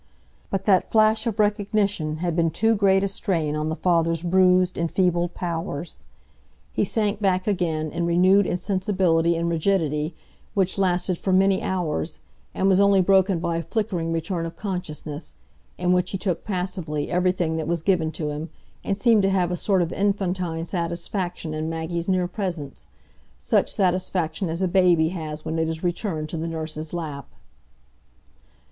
But that flash of recognition had been too great a strain on the father's bruised, enfeebled powers. He sank back again in renewed insensibility and rigidity, which lasted for many hours, and was only broken by a flickering return of consciousness, in which he took passively everything that was given to him, and seemed to have a sort of infantine satisfaction in Maggie's near presence,—such satisfaction as a baby has when it is returned to the nurse's lap.